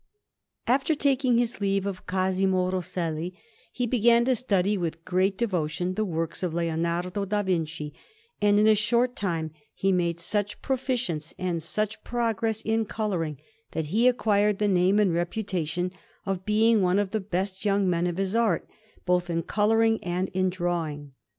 After taking his leave of Cosimo Rosselli, he began to study with great devotion the works of Leonardo da Vinci; and in a short time he made such proficience and such progress in colouring, that he acquired the name and reputation of being one of the best young men of his art, both in colouring and in drawing.